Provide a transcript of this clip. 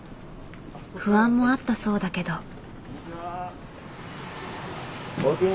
不安もあったそうだけど。